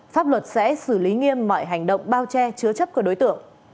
pháp luật sẽ xử lý nghiêm mọi hành động bao che chứa chấp của đối tượng